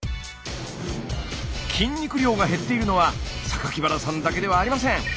筋肉量が減っているのは原さんだけではありません。